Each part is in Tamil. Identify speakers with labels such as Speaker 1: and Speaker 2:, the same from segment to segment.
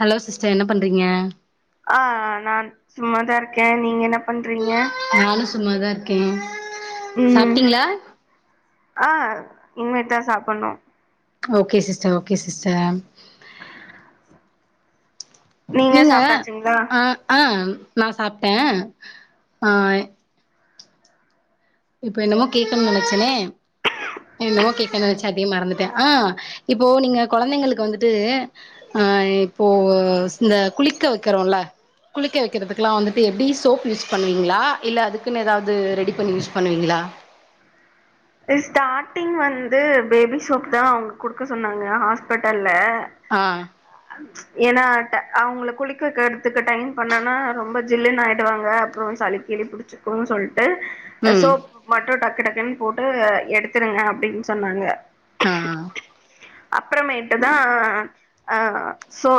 Speaker 1: ஹலோ சிஸ்டர் என்ன பண்றீங்க
Speaker 2: அ நான் சும்மாதான் இருக்கேன் நீங்க என்ன பண்றீங்க
Speaker 1: நானும் சும்மாதான் இருக்கேன்
Speaker 2: ம் அ இனிமே தான் சாப்டணும்
Speaker 1: ஓகே சிஸ்டர் ஓகே சிஸ்டர் நீங்க அ அ நா சாப்ட்டே அ இப்ப என்னமோ கேட்கணுனு நெனைச்சேனே என்னமோ கேக்க நெனைச்ச அப்டியே மறந்துட்டே அ இப்போ நீங்க கொழந்தைங்களுக்கு வந்துட்டு அ இப்போ இந்த குளிக்க வெக்கறோல குளிக்க வைக்கிறதுக்கலா வந்துட்டு எப்டி சோப் யூஸ் பண்ணுவீங்களா இல்ல அதுக்குனு ஏதாவது ரெடி பண்ணி யூஸ் பண்ணுவீங்களா
Speaker 2: ஸ்டார்டிங் வந்து பேபி சோப்தா அவங்க குடுக்க சொன்னாங்க ஹாஸ்பிட்டல்ல
Speaker 1: அ
Speaker 2: அ ஏனா அவங்கள குளிக்க வைக்கறத்துக்கு டைம் பண்ணனா ரொம்ப ஜில்லுனு ஆயிடுவாங்க அப்புற சளி கிளி புடிச்சு க்குனு சொல்லிட்டு
Speaker 1: ம்
Speaker 2: சோப் மட்டு டக்கு டக்குன்னு போட்டு எடுத்துடுங்க அப்டின்னு சொன்னாங்க
Speaker 1: அ
Speaker 2: அப்பறமேட்டு தான் அ சோ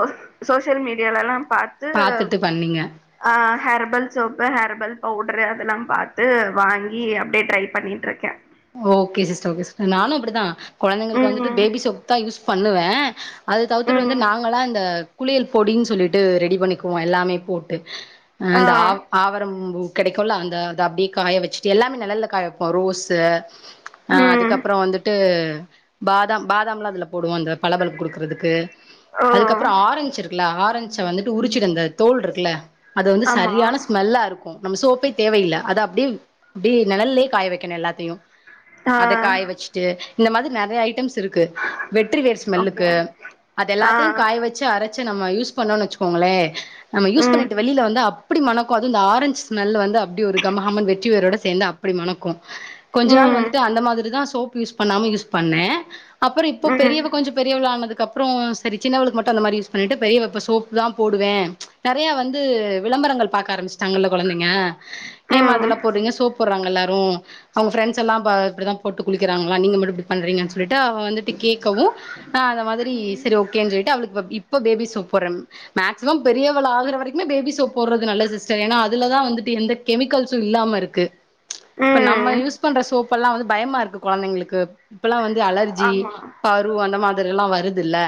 Speaker 2: சோசியல் மீடியால எல்லா பா த்து
Speaker 1: பாத்துட்டு பண்ணீங்க
Speaker 2: அ ஹெர்பல் சோப்பு ஹெர்பல் பவுடரு அதெல்லா பாத்து வாங்கி அப்டியே ட்ரை பண்ணிட்டிருக்கே
Speaker 1: ஓகே சிஸ்டர் ஒகே சிஸ்டர் நானு அப்டிதா கொழந்தைங்களுக் வந்துட்டு
Speaker 2: ம்
Speaker 1: பேபி சோப் தா யூஸ் பண்ணுவே அத தவித்துட்டு வந்து
Speaker 2: ம்
Speaker 1: நாங்கல்லா இந்த குளியல் பொடின்னு சொல்லிட்டு ரெடி பண்ணிக்குவோ எல்லாமே போட்டு அ
Speaker 2: ஆ
Speaker 1: இந்த ஆவரம் பூ கிடைக்குல அந்த அத அப்டியே காய வச்சுட்டு எல்லாமே நிழல்ல காய வைப்போ ரோஸு அ
Speaker 2: ம்
Speaker 1: அதுக்கப்புறோ வந்துட்டு பாதாம் பாதாம்லாம் அதுல போடுவோ அந்த பளபளப் குடுக்கறதுக்கு
Speaker 2: ஓ
Speaker 1: அதுக்கப்புறோ ஆரஞ்சு இருக்குல ஆரஞ்ச வந்துட்டு உரிச்சுட்டு இந்த தோல் இருக்குல அது வந்து
Speaker 2: ஆமா
Speaker 1: சரியான ஸ்மெல்லா இருக்கு ம் நம்ம சோப்பே தேவையில்ல அத அப்டியே அப்டி நிழல்லயே காய வைக்கணு எல்லாத்தையு
Speaker 2: ஆ
Speaker 1: அத காய வச்சுட்டு இந்த மாரி நெறைய ஐட்டம்ஸ் இருக் கு வெற்றி வேர்
Speaker 2: ஓகே
Speaker 1: ஸ்மெல்லுக்கு அது
Speaker 2: ஆ
Speaker 1: எல்லாத்தையு காய வச் சு அரைச்சு நம்ம யூஸ் பண்ணோனு வச்சுக்கோங்களே நம்ம யூஸ்
Speaker 2: ம்
Speaker 1: பண்ணிட்டு வெளில வந்தா அப்டி மணக்கு அது இந்த ஆரஞ்ச் ஸ்மல் வந்து அப்டி ஒரு கமகமனு வெட்டி வேரோட சேந்நா அப்டி மணக்கு கொஞ்ச நாள்
Speaker 2: ம்
Speaker 1: வந்துட்டு அந்த மாதிரிதா சோப் யூஸ் பண்ணாம யூஸ் பண்ணே அப்புறோ இப்போ
Speaker 2: ம்
Speaker 1: பெரியவ கொஞ்ச பெரியவளானதுக்கப்றோ சரி சின்னவளுக்கு மட்டு அந்த மாரி யூஸ் பண்ணிட்டு பெரியவ இப்ப சோப்பு தா போடுவே நெறைய வந்து விளம்பரங்கள் பாக்க ஆரம்பிச் சுட்டாங்கல கொழந்தைங்க ஏம்மா
Speaker 2: ம்
Speaker 1: அதெல்லா போடுறீங்க சோப்பு போடுறாங்கல்லாரு அவங்க ஃப்ரெண்டஸ் எல்லா இப்படித்தா போட்டு குளிக்கிறாங்களா நீங்க மட்டு இப்டி பண்றீங்கன்னு சொல்லிட்டு அவ வந்துட்டு கேட்கவு நா அந்த மாதிரி சரி ஓகேன்னு சொல்ட்டு அவளுக்கு இப்ப பேபி சோப்‌ போடறே மேக்சிமம் பெரியவள் ஆகற வரைக்குமே பேபி சோப் போடுறது நல்லது சிஸ்டர் ஏனா அதுலதா வந்துட்டு எந்த கெமிக்கல்ஸூ இல்லாம இருக்கு இப்ப நம்ம
Speaker 2: ம்
Speaker 1: யூஸ் பண்ற சோப் எல்லா வந்து பய மாயிருக்கு கொழந்தைங்களுக்கு இப்பல்லா வந்து அலர்ஜி
Speaker 2: ஆமா
Speaker 1: பரு அந்த மாதிரி எல்லா வருதில்ல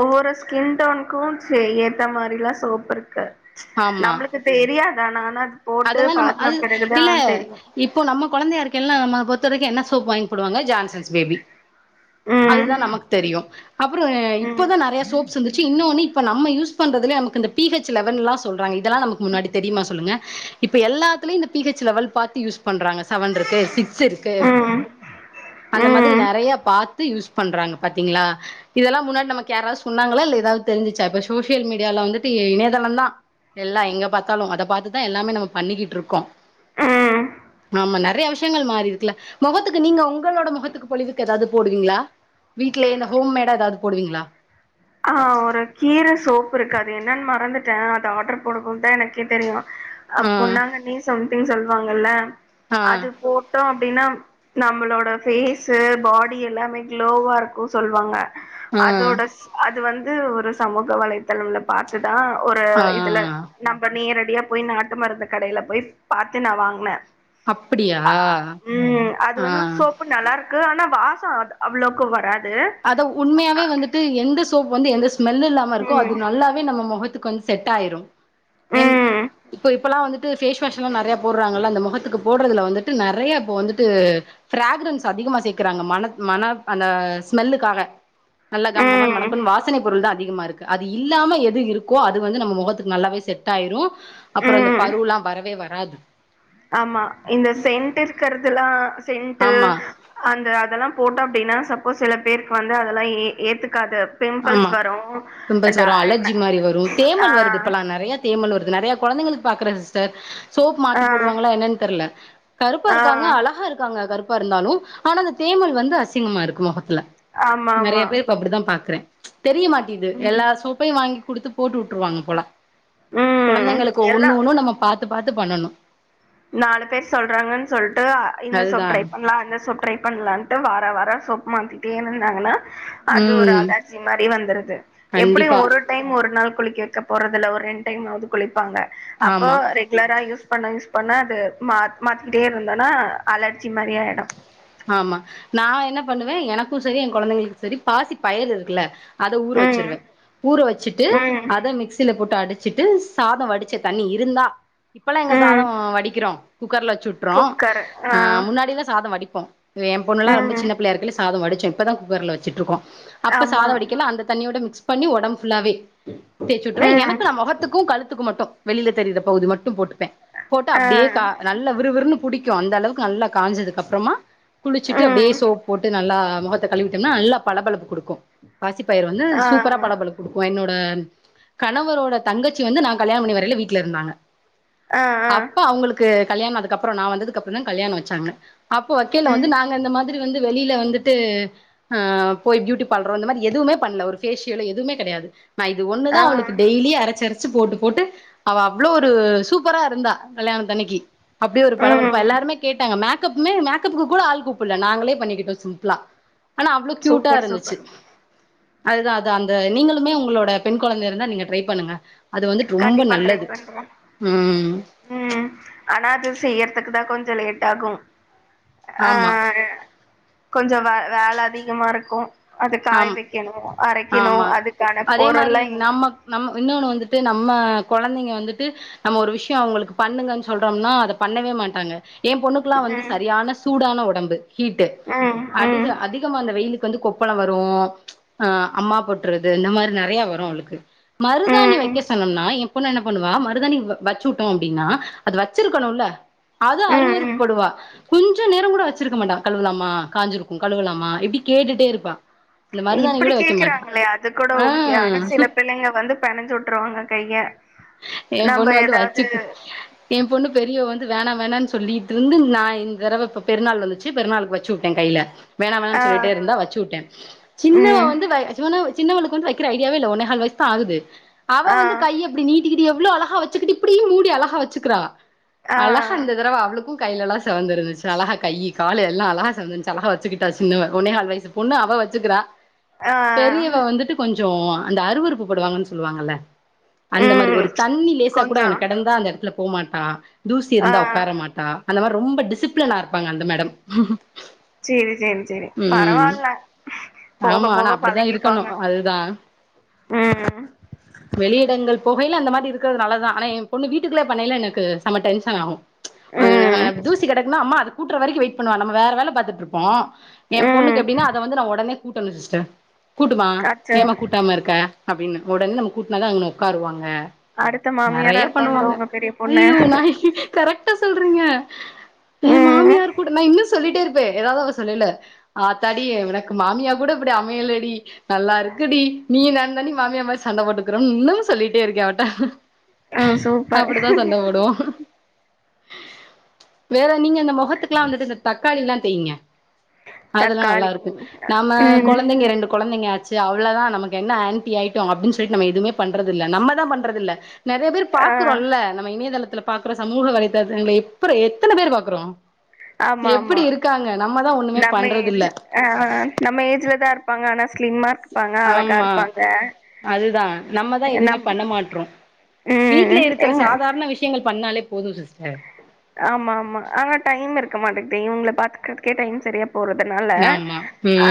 Speaker 2: ஒவ்வொரு ஸ்கின் டோனுக்கு செ ஏத்த மாரி தா சோப்பு இருக்கு
Speaker 1: ஆமா
Speaker 2: நம்ளுக்கு தெரியாது ஆனா அது போட்டு
Speaker 1: அதெல்லா நம்ம
Speaker 2: பழக்குன
Speaker 1: அது
Speaker 2: பிறகுதா
Speaker 1: இல்ல
Speaker 2: தெரியு
Speaker 1: இப்போ நம்ம கொழந்தையா இருக்கேல நம்ம பொறுத்த வரைக்கு என்ன சோப் வாங்கி போடுவாங்க ஜான்சன்ஸ் பேபி
Speaker 2: ம்
Speaker 1: அதுதா நமக் தெரியு அப்புறோ
Speaker 2: ம்
Speaker 1: இப்பதா நெறைய சோப் வந்துச்சு இன்னொன்னு இப்ப நம்ம யூஸ் பண்றது நமக் பி ஹச் லெவன்ல்லா சொல்றாங்க இதெல்லா நமக் முன்னாடி தெரியுமா சொல்லுங்க இப்ப எல்லத்துலேயு இந்த பி ஹச் லெவல் பார்த்து யூஸ் பண்றாங்க செவன் இருக்கு சிக்ஸ் சிருக்கு
Speaker 2: ம்
Speaker 1: [inaudible] அந்த மாதிரி
Speaker 2: ம்
Speaker 1: நெறையா பாத்து யூஸ் பண்றாங்க பாத்தீங்ளா இதெல்லா முன்னாடி நமக்கு யாராது சொன்னாங்களா இல்ல எதாவது தெரிஞ்சிச்சா இப்ப சோஷியல் மீடியால வந்துட்டு இணையதளந்தா எல்லா எங்க பாத்தாலு அத பார்த்துதா எல்லாமே நம்ம பண்ணிக்கிட்ருக்கோ
Speaker 2: ம்
Speaker 1: ஆமா நெறையா விஷயங்கள் மாறி இருக்குல மொகத்துக்கு நீங்க உங்களோட முகத்துக்கு பொழிவுக்கு எதாவது போடுவிங்ளா வீட்லயே இந்த ஹோம்மேடா எதாவது போடுவீங்களா
Speaker 2: ஆ ஒரு கீர சோப்பு இருக்கு அது என்னன்னு மறந்துட்டே அது ஆர்டர் போடும் போது தா எனக்கே தெரியு
Speaker 1: ஆ
Speaker 2: அப் பொன்னாங்கண்ணி சம்திங் சொல்லுவாங்கல்ல
Speaker 1: ஆ
Speaker 2: அது போட் ட்டோ அப்டின்னா நம்மளோட ஃபேஸு பாடி எல்லாமே க்ளோவா இருக்கு சொல்வாங்க
Speaker 1: ஆ
Speaker 2: அதோட அது வந்து ஒரு சமூக வலைதளம்ல பாத்துதா ஒரு
Speaker 1: ஆ
Speaker 2: இதுல இன்னப் பண்ணி நேரடியா போய் நாட்டு மருந்து கடையில போய் பார்த்து நா வாங்னே
Speaker 1: அப்படியா
Speaker 2: ம் அது
Speaker 1: ஆ
Speaker 2: வந்து சோப்புட் நல்லாருக்கு ஆனா வாசோ அது அவ்ளோக்கு வராத்
Speaker 1: அத உண்மையாவே வந்துட்டு எந்த சோப் வந்து எந்த ஸ்மெல் இல்லாம இருக்கோ
Speaker 2: ம்
Speaker 1: அது நல்லாவே நம்ம முகத்துக்கு வந் செட் ஆயிரும் என்
Speaker 2: ம்
Speaker 1: இப்ப இப்பெல்லா வந்துட்டு பேஸ் வாஷ் எல்லா நெறையா போடுறாங்கல்ல அந்த மொகத்துக்கு போட்றதுல வந்துட்டு நெறையா இப்ப வந்துட்டு ப்ராகுரன்ஸ் அதிகமா சேக்குறாங்க மனத் மன அந்த ஸ்மெல்லுக்காக நல்ல கமகமன்
Speaker 2: ம்.
Speaker 1: மணக்கு வாசனை பொருள்தா அதிகமா இருக்கு அது இல்லாம எது இருக்கோ அது வந்து நம்ம முகத்துக்கு நல்லாவே செட் ஆயிரு அப்பறோ அந்த
Speaker 2: ம்.
Speaker 1: பருல்லா வரவே வராது
Speaker 2: ஆமா இந்த சென்டர் இருக்குறதுல்லா சென்ட்டு
Speaker 1: ஆமா
Speaker 2: அந்த அதல்லா போட்டோம் அப்டின்னா சப்போஸ் சில பேருக்கு வந்து அதெல்லா ஏ ஏத்துக்காது பிம்பிள்ஸ்
Speaker 1: ஆமா
Speaker 2: வரு
Speaker 1: பிம்பிள்ஸ்
Speaker 2: அண்ட் அ
Speaker 1: வரு
Speaker 2: என்ன
Speaker 1: அலர்ஜி மாரி வரு
Speaker 2: ஆ
Speaker 1: தேமல் வருது இப்பல்லா
Speaker 2: ஆ
Speaker 1: நெறைய தேமல் வருது நெறையா கொழந்தைங்களுக்கு பாக்குறே சிஸ்டர் சோப்
Speaker 2: ஆ.
Speaker 1: மாத்தி போடுவாங்களா என்னன்னு தெர்ல கருப்பா
Speaker 2: ஆ.
Speaker 1: இருக்காங்க அழகா இருக்காங்க கருப் பா இருந்தாலு ஆனா அந்த தேமல் வந்து அசிங்கமா இருக்கு மொகத்துல நெறையா
Speaker 2: ஆமாமா.
Speaker 1: பேர் இப்ப அப்புடித்தா பாக்குறே தெரிய மாட்டேகிது எல்லா சோப்பையு வாங்கி குடுத்து போட்டு விட்ருவாங்க போல
Speaker 2: ம்.
Speaker 1: கொழந்தைங்களுக்கு ஒண்ணு
Speaker 2: எல்லாம்
Speaker 1: ஒண்ணும் நம்ம பாத்து பாத்து பண்ணனு
Speaker 2: நாலு பேர் சொல்றாங்கன் சொல்ட்டு ஆ இந்த சோப்
Speaker 1: அதுதா
Speaker 2: ட்ரை பண்லா அந்த சோப் ட்ரை பண்ணலான்ட்டு வார வாரோ சோப் மாத்திட்டே இருந்தாங்கன்னா அது ஒரு
Speaker 1: ம்
Speaker 2: அலர்ஜி மாரி வந்துருது எப்புடியு
Speaker 1: கண்டிப்பா
Speaker 2: ஒருட் டைம் ஒரு நாள் குளிக்க வெக்க போறது இல்ல ஒரு ரெண்டு டைம்மாவது குளிப்பாங்க அப்போ
Speaker 1: ஆமா
Speaker 2: ரெ ரெகுலரா யூஸ் பண்ண யூஸ் பண்ண அது மா மாற்றிக்கிட்டே இருந்தோன்னா அலர்ஜி மாரி ஆயிடு
Speaker 1: ஆமா நா என்ன பண்ணுவே எனக்கு செரி ஏ கொழந்தைங்களுக்கு செரி பாசிப் பயிறு இருக்குல்ல அத ஊற
Speaker 2: ம்
Speaker 1: வச்சுருவே ஊற வச்சுட்டு
Speaker 2: ம்
Speaker 1: அத மிக்சியில போட்டு அடிச் சிட்டு சாதோ வடிச்ச தண்ணி இருந்தா இப்பல்லா எங்க
Speaker 2: ம்
Speaker 1: சாதம் வடிக்கிறோம் குக்கர்ல வச்சு விட்டுர்றோம்
Speaker 2: குக்கர் ஆ
Speaker 1: அ முன்னாடி எல்லா சாதம் வடிப்போம் ஏ பொண்ணுல்லா ரொம்ப
Speaker 2: ம்
Speaker 1: சின்ன புள்ளையா இருக்கையில சாதம் வடிச்சே இப்பதா குக்கர்ல வச்சிட்ருக்கோ அப்ப
Speaker 2: ஆமா
Speaker 1: சாதோ வடிக்கேல அந்த தண்ணியோட மிக்ஸ் பண்ணி ஒடம்பு ஃபுல்லாவே தேய்ச்சு விட்ருவே
Speaker 2: ம்
Speaker 1: எனக்கு நா மொகத்துக்கு கழுத்துக்கும் மட்டு வெளியில தெரியிற பகுதி மட்டும் போட்டுப்பே போட்டா
Speaker 2: ஆ
Speaker 1: அப்டியே கா நல்லா விறுவிறுன்னு புடிக்கும் அந்த அளவுக்கு நல்லா காஞ்சதுக்கு அப்றமா குளிச்சுட்டு அப்டியே
Speaker 2: ம்
Speaker 1: சோப் போட்டு நல்லா முகத்த கழுவிட்டம்னா நல்லா பளபளப்பு குடுக்கு பாசிப்பயறு வந்து
Speaker 2: ஆ
Speaker 1: சூப்பரா பளபளக்கு குடுக்கு என்னோட கணவரோட தங்கச்சி வந்து நா கல்யாணம் பண்ணி வரையில வீட்ல இருந்தாங்க
Speaker 2: ஆ ஆ
Speaker 1: அப்ப அவுங்களுக்கு கல்யாணோ ஆனதுக்கப்பறோ நா வந்ததுக்கப்பறோ தா கல்யாணோ வச்சாங்க அப்ப வ க்கேல வந்து
Speaker 2: ம்
Speaker 1: நாங்க இந்த மாதிரி வந்து வெளில வந்துட்டு ஆ போயி ப்யூட்டி பார்லரோ இந்த மாரி எதுமே பண்ணல ஒரு பேஷியலோ எதுமே கெடையாது நா இது ஒண்ணுதா
Speaker 2: ஆ
Speaker 1: அவளுக்கு டெய்லி அரச்சரச் ச்சு போட்டு போட்டு அவ அவ்ளோ ஒரு சூப்பரா இருந்தா கல்யாண தன்னக்கி அப்டி ஒரு பலபலப்பா
Speaker 2: ம்
Speaker 1: எல்லாருமே கேட்டாங்க மேக்கப்மே மேக் கப்க்கு கூட ஆள் கூப்பல்ல நாங்களே பண்ணிக்கிட்டோ சிம்பிளா ஆனா அவ்ளோ கியூட்டா
Speaker 2: சூப்பர்
Speaker 1: இருந்துச்சு
Speaker 2: சூப்பர்
Speaker 1: அதுதா அதா அந்த நீங்களுமே உங்களோட பெண் கொழந்த இருந்தா நீங்க ட்ரை பண்ணுங்க அது வந்துட்டு ரொம்ப
Speaker 2: கண்டிப்பா ட்ரை
Speaker 1: நல்லது
Speaker 2: பண்றே
Speaker 1: ம்
Speaker 2: ம் ஆனா அது செய்யறதுக்கு தா கொஞ்சோ லேட் ஆகும் ஆ
Speaker 1: ஆமா
Speaker 2: கொஞ்சோ வே வேல அதிகமா இருக்கு அது காய
Speaker 1: ஆம்
Speaker 2: வைக்கணு அரைக்கணு
Speaker 1: ஆமா
Speaker 2: அதுக்கான
Speaker 1: அதே மாரி
Speaker 2: பொருள்லா இங்
Speaker 1: நம்ம நம்ம இன்னோன்னு வந்துட்டு நம்ம கொழந்தைங்க வந்துட்டு நம்ம ஒரு விஷ்யோ அவுங்களுக்கு பண்ணுங்கன் சொல்றோம்னா அத பண்ணவே மாட்டாங்க எ பொண்ணுக்குல்லா வந்து
Speaker 2: ம்
Speaker 1: சரியான சூடான உடம்பு ஹீட்டு
Speaker 2: ம்
Speaker 1: அதிக
Speaker 2: ம்
Speaker 1: அதிகமா அந்த வெயிலுக்கு வந்து கொப் கொப்பழொ வரு ஆ அம்மா போட்டுறது இந்த மாரி நெறைய வரு அவளுக்கு மறுதாணி
Speaker 2: ம்
Speaker 1: வைக்க சொன்னம்னா எ பொண்னு என்ன பண்ணுவா மறுதாணி வச்சு வுட்டோ அப்டினா அது வச்சுருக்கணுல்ல அது
Speaker 2: ம் ம்
Speaker 1: அறுவறுப்புப்படுவா கொஞ்ச நேரங் கூட வச்சுருக்க மாட்டா கழுவலாமா காஞ்சுருக்கு கழுவலாமா இப்டி கேட்டுட்டே இருப்பா இந்த மருதாணி
Speaker 2: இப்பிடி
Speaker 1: கூட வைக்க மாட்டா
Speaker 2: கேக்குறாங்களே அது கூட
Speaker 1: ஆ
Speaker 2: ஓகே ஆனா சில பிள்ளைங்க வந்து பெனஞ்சு வுட்ருவாங்க கைய
Speaker 1: எ பொண்ணு
Speaker 2: நம்ம
Speaker 1: வந்து
Speaker 2: ஏதாவது
Speaker 1: வச்சுக்கு எ பொண்ணு பெரியவ வந்து வேணா வேணான்னு சொல்லிட்ருந்து நா இந்த தடவ இப்ப பெருநாள் வந்துச்சு பெருநாளுக்கு வச்சு வுட்டே கைல வேணா
Speaker 2: ஆ
Speaker 1: வேணானு சொல்லிட்டே இருந்தா வச்சு வுட்டே சின்னவ
Speaker 2: ம்
Speaker 1: வந்து வ ஜுனவ் சின்னவளுக்கு வந்து வைக்கிற ஐடியாவே இல்ல ஒன்னேஹால் வயஸ்தா ஆகுது அவ
Speaker 2: ஆ
Speaker 1: வந்து கை இப்டி நீட் டிகிட்டு எவ்ளோ அழகா வச்சுக்கிட்டு இப்டி மூடி அழகா வச்சுக்கிறா
Speaker 2: ஆ
Speaker 1: அழகா இந்த தடவ அவளுக்கு கைலேல்லா செவந்திருந்துச்சு அழகா கையி காலு எல்லா அழகா செவந்திருந்துச்சு அழகா வச்சுகிட்டா சின்னவ ஒன்னேஹாலு வயசு பொண்ணு அவ வச்சுக்கிறா
Speaker 2: ஆ
Speaker 1: பெரியவ வந்துட்டு கொஞ்சோ அந்த அருவறுப்பு படுவாங்கன் சொல்லுவாங்கல்ல அந்த மாரி
Speaker 2: ம்
Speaker 1: ஒரு தண்ணி லேசா கூட
Speaker 2: கொஞ்சோ
Speaker 1: அங்ன கெடந்தா அந்த எடத்துல போமாட்டா தூசி
Speaker 2: ஆ
Speaker 1: இருந்தா உக்கார மாட்டா அந்த மாரி ரொம்ப டிசிப்ளினா இருப்பாங்க அந்த மேடம்
Speaker 2: சேரி சேரி சேரி
Speaker 1: ம்
Speaker 2: பரவால்ல போக போக பழகிப்பாங்க
Speaker 1: தா வெளியிடங்கள் போகையில அந்த மாரி இருக்குறது நல்லதுதா ஆனா எ பொண்ணு வீட்டுக்குள்ளயே பண்ணையில எனக்கு செம டென்ஷன் ஆகு அ அ
Speaker 2: ம்
Speaker 1: தூசி கெடக்குனா அம்மா அத கூட்ற வரைக்கு வெயிட் பண்ணுவா நம்ம வேற வேல பாத்துட்ருப்போ எ பொண்ணுக்கு
Speaker 2: ம்
Speaker 1: எப்டினா அத வந்து நா ஒடனே கூட்டணு சிஸ்டர் கூட்டுமா
Speaker 2: அச்சோ
Speaker 1: ஏமா கூட்டாம இருக்க அப்டினு ஒடனே நம்ம கூட்னா தா அங்க உக்காருவாங்க
Speaker 2: அடுத்த மாமியாரா
Speaker 1: நெறைய
Speaker 2: இருப்பாங்களோ
Speaker 1: பண்ணுவாங்க
Speaker 2: உங்க பெரிய பொண்ணு
Speaker 1: ஐயயோ நாய் கரெக் டா சொல்றீங்க ஏ
Speaker 2: ம்
Speaker 1: மாமியார் கூட நா இன்னு சொல்லிட்டே இருப்பே ஏதாவது அவ சொல்லேல ஆத்தாடி எனக்கு மாமியா கூட இப்டி அமையலடி நல்லாருக்கு டி நீ நானு தாண்டி மாமியா மாரி சண்ட போட்டுக்குறோம்னு இன்னமு சொல்லிட்டே இருக்கே அவட்ட
Speaker 2: ம் சூப்பர்
Speaker 1: அப்புடிதா சண்ட போடுவோ வேற நீங்க இந்த மொகத்துக்குல்லா வந்துட்டு இந்த தக்காளிலா தேய்ங்க அதல்லா
Speaker 2: தக்காளி
Speaker 1: நல்லாருக்கு நாம
Speaker 2: ம்
Speaker 1: கொழந்தைங்க ரெண்டு கொழந்தைங்க ஆ சி அவ்ளதா நமக்கு என்ன ஆன்ட்டி ஆயிட்டோம் அப்டின் சொல்லிட் நம்ம எதுவு பண்றது இல்வ நம்ம தா பண்றதில்ல நெறைய பேரு
Speaker 2: ஆ
Speaker 1: பாக்குறோல்ல நம்ம இணையதளத்துல பாக்குறோ சமூக வலைதளதூங்கள எப்பற எத்தன பேரு பாக்குறோ
Speaker 2: ஆமா
Speaker 1: எப்புடி
Speaker 2: ஆமா
Speaker 1: இருக்காங்க நம்மதா ஒன்னுமே
Speaker 2: நம்ம
Speaker 1: பண்றதில்ல
Speaker 2: ஏஜ் ஆ ஆ ஆ நம்ம ஏஜ்ல தா இருப்பாங்க ஆனா ஸ்லிம்மா இருப்பாங்க அழகா
Speaker 1: ஆமா
Speaker 2: இருப்பாங்க
Speaker 1: அதுதா நம்மதா எதுவுமே
Speaker 2: நம்
Speaker 1: பண்ண மாட்டறோம் வீட்ல
Speaker 2: ம்
Speaker 1: இருக்கற
Speaker 2: எங்க
Speaker 1: சாதாரண விஷயங்கள் பண்ணாலே போதும் சிஸ்டர்
Speaker 2: ஆமா ஆமா ஆனா டைம் இருக்க மாட்டுக்குதே இவுங்கள பாத்துக்கறதுக்கே டைம் சரியா போறதுனால
Speaker 1: ஆமா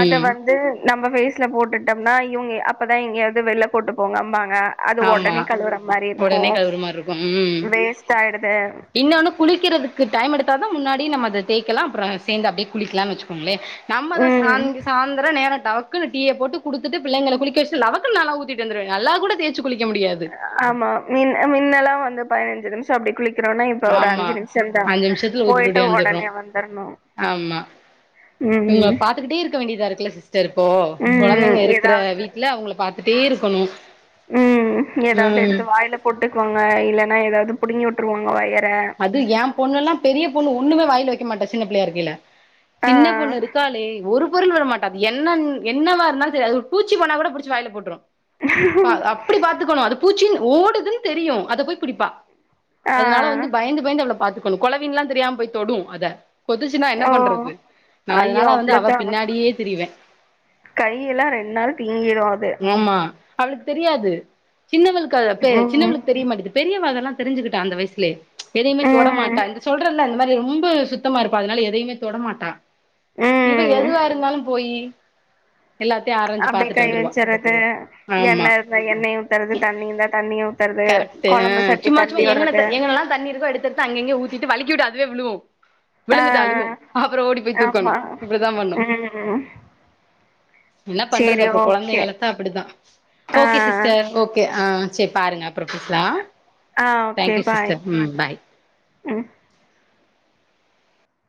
Speaker 2: அத வந்து நம்ம ஃபேஸ்ல போட்டுட்டோம்னா இவுங்க அப்பதா எங்கேயாது வெளில கூட்டு போங்கம்பாங்க அது
Speaker 1: ஆமா
Speaker 2: ஒடனே கழுவுற மாரி இருக்கு
Speaker 1: உடனே கழுவுற மாரி இருக்கு ம்
Speaker 2: வேஸ்ட் ஆயிடுது
Speaker 1: இன்னொன்னு குளிக்கிறதுக்கு டைம் எடுத்தாதா முன்னாடி நம்ம அத தேய்கலா அப்றோ சேந்து அப்டியே குளிக்கலாம்னு வெச்சிக்கோங்களே நம்மதா
Speaker 2: ம்
Speaker 1: சாங்கி சாந்துர நேர டவக் க்குனு டீ போட்டு குடுத்துட்டு பிள்ளைங்கள குளிக்க வெஷ்டு லபகுன்னு நால்லா ஊத்திட்டு வந்துருவே நல்லா கூட தேசச்சி குளிக்க முடியாது
Speaker 2: ஆமா மின் மின்னெல்லா வந்து பதினஞ்சு நிமிஷோ அப்டி குளிக் க்கிறோனா இப்ப ஒரு
Speaker 1: ஆமா
Speaker 2: அஞ்சு நிமிஷோ தா
Speaker 1: அஞ்சு நிமிஷத்துல ஊத்திட்டு
Speaker 2: போயிட்டு
Speaker 1: ஓடி வந்துர்றோ
Speaker 2: ஒடனே வந்துரனு
Speaker 1: இவிங்கள பாத்துக்கிட்டே இருக்க வேண்டியதா இருக்குல்ல சிஸ் டர் இப்போ
Speaker 2: ம்
Speaker 1: கொழந்தைங்க இருக்கற
Speaker 2: ஏதாவது
Speaker 1: வீட்ல அவுங்கள பாத்துட்டே இருக்கணும்
Speaker 2: ம் ஏதாது எடுத்து வாயில போட்டுக்குவாங்க இல்லன்னா ஏதாது புடுங்கி உட்டுருவாங்க வயர
Speaker 1: அது என் பொண்ணுல்லா பெரிய பொண்ணு ஒன்னுமே வாயில வெக்க மாட்டா சின்ன பிள்ளையா இருக்கையில
Speaker 2: ஆ
Speaker 1: சின்ன பொண்ணு இருக்காலே ஒரு பொருள் விடமாட் டா அது என்னன் என்னவா இருந்தாலு செரி அது ஒரு பூச்சி போனா கூட புடிச்சி வாயில போட்டுரு பா அப் அப்டி பாத்துக்கணு அது பூச்சின் ஓடுதுன்னு தெரியு அத போய் புடிப்பா
Speaker 2: ஆ
Speaker 1: அதனால வந்து பயந்து பயந்து அவ்ள பாத்துக்கணும் குளவின்லாம் தெரியாம போய் தொடும் அத கொத்துச்சுன்னா என்ன
Speaker 2: ஓ
Speaker 1: பண்றது நா
Speaker 2: ஐயோ
Speaker 1: அதனால வந்து அவ
Speaker 2: அவ்ளோதா
Speaker 1: பின்னாடியே திரிவே
Speaker 2: கையெல்லா ரெண்டு நாளு வீங்கிடு அது
Speaker 1: ஆமா அவளுக்கு தெரியாது சின்னவளுக்கு அது பெ
Speaker 2: ம்
Speaker 1: சின்னவளுக்கு தெரியமாட்டேது பெரியவ அதெல்லா தெரிஞ்சிக்கிட்ட அந்த வயசுலயே எதையுமே தொட
Speaker 2: ம்
Speaker 1: மாட்டா இந்த சொல்றல்ல அந் அந்த மாரி ரொம்ப சுத்தமா இருப்பா அதனால எதையுமே தொடமாட்டா இவ
Speaker 2: ம்
Speaker 1: எதுவா இருந்தாலும் போயி எல்லாத்தையு ஆர
Speaker 2: அப்டியே கை வெச்சட்றது
Speaker 1: ஆமா
Speaker 2: எண்ணெ இருந்த எண்ணெய ஊத்தறது தண்ணி இருந்தா தண்ணியு
Speaker 1: கரெக்ட் ஆ சும்மா சும்மா எங்கன த எங்கனல்லா தண்ணி இருக்கோ எடுத்தெடுத்து அங்கங்கே ஊத்திட்டு வலிக்கிவுட்டு அதுவே உழுவு
Speaker 2: ஆ
Speaker 1: விழுந்துட்டு அழுகு அப்புறோ ஓடி போய் தூக்கணு
Speaker 2: ஆமா
Speaker 1: இப்டித்தா பண்ணு
Speaker 2: ம்
Speaker 1: என்ன பண்றது
Speaker 2: சேரி
Speaker 1: அப்றோ கொழந்தைய
Speaker 2: ஓகே
Speaker 1: வளத்தா அப்புடித்தா
Speaker 2: ஆ
Speaker 1: ஓகே சிஸ்டர் ஓகே ஆ செரி பாருங்க அப்றோ பேசலா
Speaker 2: ஆ okay
Speaker 1: thank you
Speaker 2: bye
Speaker 1: sister ம் பாய்
Speaker 2: ம்